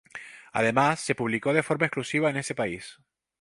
Además, se publicó de forma exclusiva en ese país.